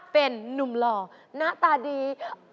เป็นนุ่มหล่อหน้าตาดี